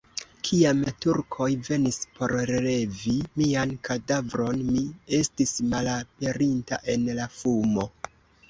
Kiam la Turkoj venis por relevi mian kadavron, mi estis malaperinta en la fumo.